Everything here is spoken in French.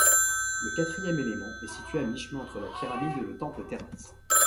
Le quatrième élément est situé à mi-chemin entre la pyramide et le temple-terrasse.